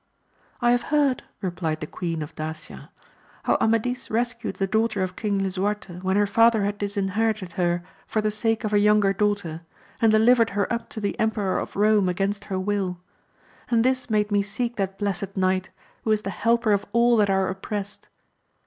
I have heard, replied the Queen of Dacia, how Amadis rescued the daughter of King Lisuarte when her father had disinherited her for the sake of a younger daughter, and delivered her up to the Emperor of Rome against her will ; and this made me seek that blessed knight, who is the helper of all that are oppressed.